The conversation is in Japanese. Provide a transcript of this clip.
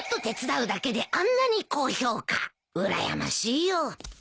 うらやましいよ。